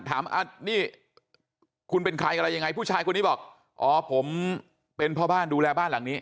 ถามนี่คุณเป็นใครอะไรยังไงผู้ชายคนนี้บอกอ๋อผมเป็นพ่อบ้านดูแลบ้านหลังนี้